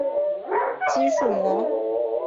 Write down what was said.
肌束膜。